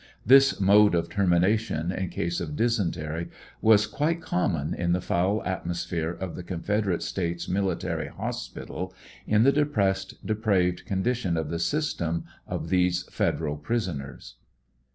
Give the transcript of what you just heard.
This mode of termination in case of dysentery was quite common in the foul atmosphere of the Confederate States Military Hospital, in the depressed, depraved con dition of the system of these Federal prisoners.